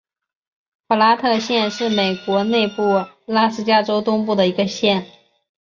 普拉特县是美国内布拉斯加州东部的一个县。